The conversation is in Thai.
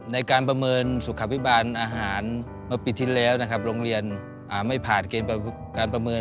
ในการประเมินสุขภิบาลอาหารเมื่อปีที่แล้วนะครับโรงเรียนไม่ผ่านเกณฑ์การประเมิน